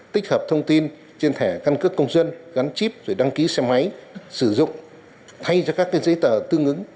tích hợp thông tin trên thẻ căn cước công dân gắn chip rồi đăng ký xe máy sử dụng thay cho các giấy tờ tương ứng